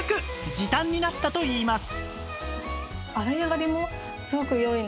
時短になったといいます